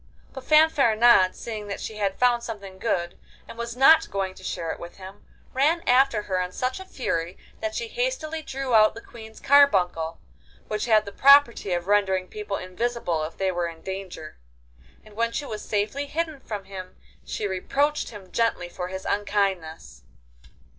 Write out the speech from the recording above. But Fanfaronade, seeing that she had found something good, and was not going to share it with him, ran after her in such a fury that she hastily drew out the Queen's carbuncle, which had the property of rendering people invisible if they were in danger, and when she was safely hidden from him she reproached him gently for his unkindness.